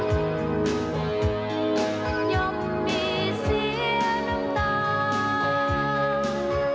เกิดเป็นคนย่อมมีเสียน้ำตา